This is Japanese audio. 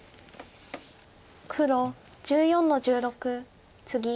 黒１４の十六ツギ。